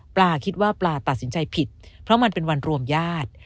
คิดว่าปลาตัดสินใจผิดเพราะมันเป็นวันรวมญาติ